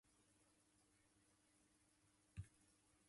私は蚊取り線香に火をつけたが、すぐに消えてしまった